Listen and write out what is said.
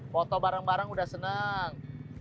foto bareng bareng udah senang